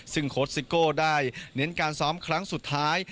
ซึ่งโค้ชซิโก้ได้เน้นการซ้อมครั้งสุดท้าย